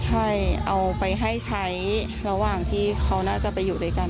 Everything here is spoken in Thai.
ใช่เอาไปให้ใช้ระหว่างที่เขาน่าจะไปอยู่ด้วยกัน